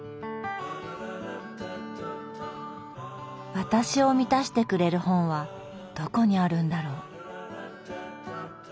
私を満たしてくれる本はどこにあるんだろう。